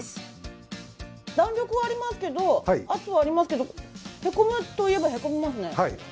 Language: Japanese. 弾力はありますけど圧はありますけどへこむといえばへこみますね。